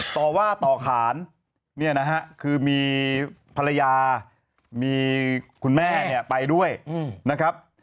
ต่อว่าต่อขานเนี่ยนะฮะคือมีภรรยามีคุณแม่เนี่ยไปด้วยนะครับ